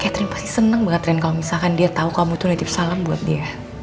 catherine pasti senang banget ya kalau misalkan dia tahu kamu itu negatif salam buat dia